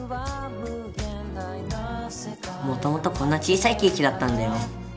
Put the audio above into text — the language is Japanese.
もともとこんな小さいケーキだったんだよ。